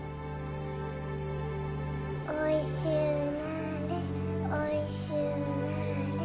おいしゅうなれおいしゅうなれ。